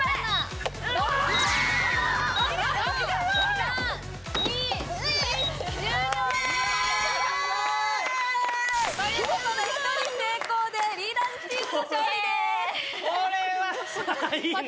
３２１終了です！ということで１人成功でリーダーズチームの勝利ですイエーイ！